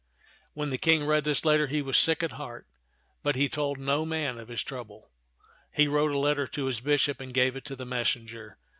When the King read this letter, he was sick at heart, but he told no man of his trouble. He wrote a letter to his bishop and gave it to the messenger.